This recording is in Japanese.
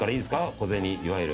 小銭いわゆる。